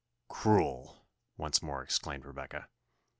"Cruel!" once more exclaimed Rebecca.